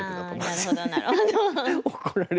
ああなるほどなるほど。